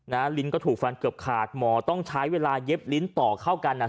ลิ้นก็ถูกฟันเกือบขาดหมอต้องใช้เวลาเย็บลิ้นต่อเข้ากันอ่ะ